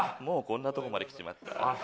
もうこんなとこまできちまった。